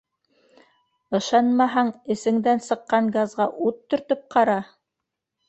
Ышанмаһаң, эҫеңдән сыҡҡан газға ут төртөп ҡара!